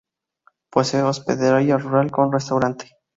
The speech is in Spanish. Posee Hospedería rural con restaurante.